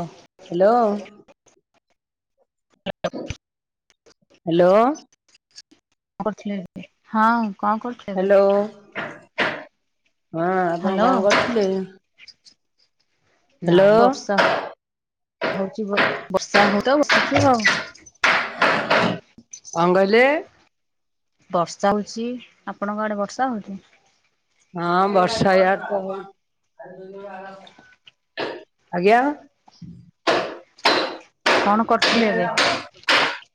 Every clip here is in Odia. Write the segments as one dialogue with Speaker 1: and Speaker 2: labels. Speaker 1: ଅ।
Speaker 2: ହ୍ୟାଲୋ।
Speaker 1: [inaudible]
Speaker 2: ହ୍ୟାଲୋ।
Speaker 1: ହଁ। କଣ କରୁଥିଲେ ଏବେ?
Speaker 2: ହ୍ୟାଲୋ ହଁ ଆପଣ
Speaker 1: ହ୍ୟାଲୋ।
Speaker 2: କଣ କରୁଥିଲେ? ହ୍ୟାଲୋ।
Speaker 1: ନାଇଁ ବର୍ଷା ହଉଛି ବର୍ଷା ହଉଚି ତ ବସିଛୁ ଆଉ।
Speaker 2: କଣ କହିଲେ?
Speaker 1: ବର୍ଷା ହଉଚି। ଆପଣଙ୍କଆଡେ ବର୍ଷା ହଉନି?
Speaker 2: ହଁ ବର୍ଷା ୟାଡେ ତ ଆଜ୍ଞା
Speaker 1: କଣ କରୁଥିଲେ ଏବେ?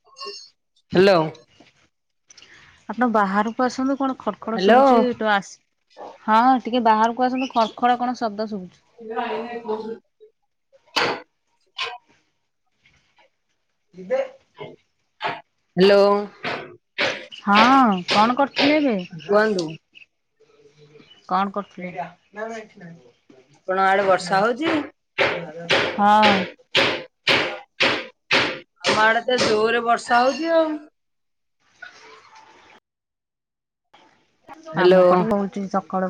Speaker 2: ହ୍ୟାଲୋ।
Speaker 1: ଆପଣ ବାହାରକୁ ଆସନ୍ତୁ। କଣ ଖଡ ଖଡ
Speaker 2: ହ୍ୟାଲୋ
Speaker 1: ଶୁଭୁଛି [unintelligible] ହଁ। ଟିକେ ବାହାରକୁ ଆସନ୍ତୁ ଖଡ଼ ଖଡ଼ କଣ ଶବ୍ଦ ସୁବୁଚି।
Speaker 2: [unintelligible]
Speaker 1: ଯିବେ
Speaker 2: ହ୍ୟାଲୋ।
Speaker 1: ହଁ କଣ କରୁଥିଲେ ଏବେ?
Speaker 2: କୁହନ୍ତୁ
Speaker 1: କଣ କରୁଥିଲେ?
Speaker 2: ଆପଣଙ୍କ ଆଡେ ବର୍ଷା ହଉଚି?
Speaker 1: ହଁ।
Speaker 2: ଆମ ଆଡେ ତ ଜୋରେ ବର୍ଷା ହଉଛି ଆଉ। ହ୍ୟାଲୋ
Speaker 1: ଆମ ପଟେ ହଉଛି ସକାଳୁ।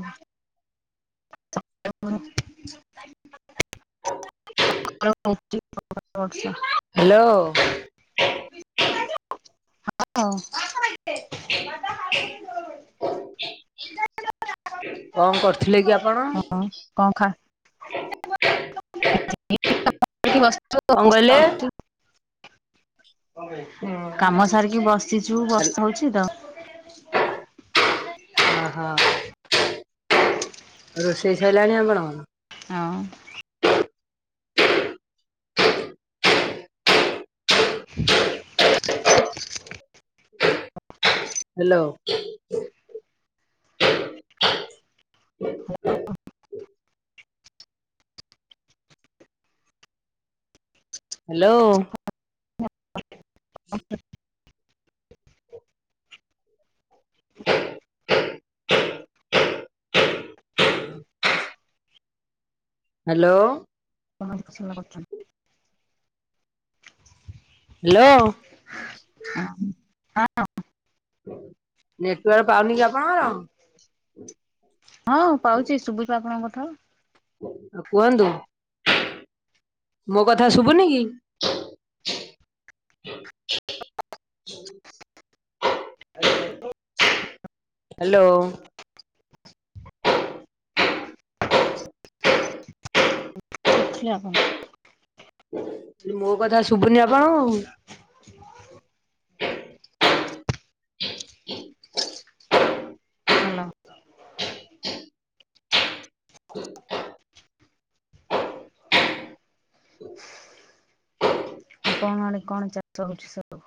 Speaker 1: [unintelligible]
Speaker 2: [inaudible]
Speaker 1: [unintelligible]
Speaker 2: ହ୍ୟାଲୋ।
Speaker 1: [unintelligible] [unintelligible]
Speaker 2: କଣ କରୁଥିଲେ କି ଆପଣ?
Speaker 1: ହଁ କଣ ଖା
Speaker 2: କଣ କହିଲେ?
Speaker 1: [unintelligible] କାମ ସାରିକି ବସିଛୁ ବର୍ଷା ହଉଛି ତ।
Speaker 2: ଅ ହ। ରୋଷେଇ ସରିଲାଣି ଆପଣଙ୍କର?
Speaker 1: ହଁ।
Speaker 2: ହାଲୋ।
Speaker 1: ହାଲୋ।
Speaker 2: ହାଲୋ। ହାଲୋ।
Speaker 1: ସ କରୁଛନ୍ତି।
Speaker 2: ହାଲୋ।
Speaker 1: ହୁଁ ହଁ
Speaker 2: ନେତୁଆର୍କ ପାଉନି କି ଆପଣଙ୍କର?
Speaker 1: ହଁ ପାଉଛି ଶୁଭୁଚି ଆପଣଙ୍କ କଥା।
Speaker 2: ଆଉ କୁହନ୍ତୁ? ମୋ କଥା ଶୁଭୁନି କି?
Speaker 1: [unintelligible]
Speaker 2: ହାଲୋ।
Speaker 1: କରିଥିଲେ ଆପଣ?
Speaker 2: ମୋ କଥା ଶୁଭୁନି ଆପଣ କୁ?
Speaker 1: ହାଲୋ। ଆପଣଙ୍କ ଆଡେ କଣ ଚାଷ ହଉଛି ସବୁ?